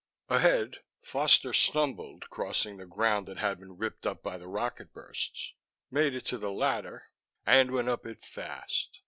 Ahead, Foster stumbled crossing the ground that had been ripped up by the rocket bursts, made it to the ladder, and went up it fast.